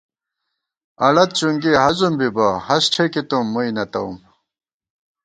اڑت چُونگی ہضم بِبَہ ہست ٹھېکِی تُم مُوئی نہ تَوُم